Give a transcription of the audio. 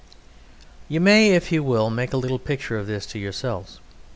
You may if you will make a little picture of this to yourselves.